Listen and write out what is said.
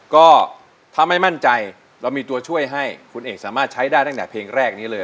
ก็ถ้าไม่มั่นใจเรามีตัวช่วยให้คุณเอกสามารถใช้ได้ตั้งแต่เพลงแรกนี้เลย